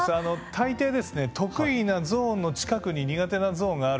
大抵ですね得意なゾーンの近くに苦手なゾーンがある。